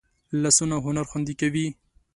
لاسونه هنر خوندي کوي